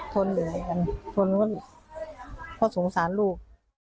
ทนเหยียบกันทนเขาสงสารลูก